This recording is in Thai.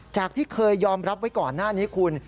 ที่เคยยอมรับไว้ก่อนหน้านี้คุณ